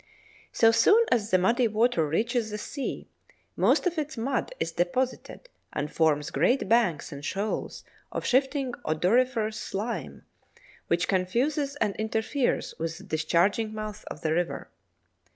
So soon as the muddy water reaches the sea, most of its mud is deposited and forms great banks and shoals of shifting odoriferous slime, which confuses and interferes with the discharging mouths of the river.